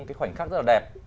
cái khoảnh khắc rất là đẹp